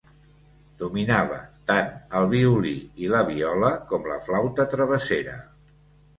Dominava tant el violí i la viola com la flauta travessera.